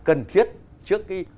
cần thiết trước cái